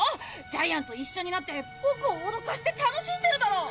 ジャイアンと一緒になってボクを脅かして楽しんでるだろ！